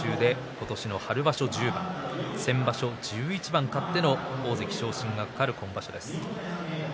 今年の春場所１０番先場所１１番勝っての大関昇進が懸かる今場所です。